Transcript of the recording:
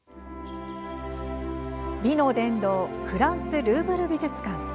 美の殿堂フランス・ルーブル美術館。